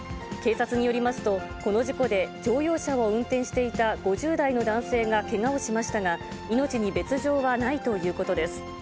警察によりますと、この事故で乗用車を運転していた５０代の男性がけがをしましたが、命に別状はないということです。